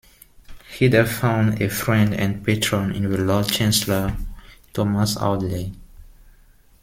He there found a friend and patron in the lord-chancellor Thomas Audley.